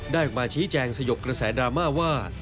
ออกมาชี้แจงสยบกระแสดราม่าว่า